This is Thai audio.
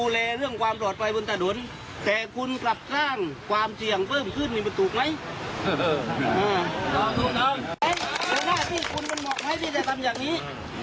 แล้วถ้าคุณมันบอกให้พี่จะทำอย่างนี้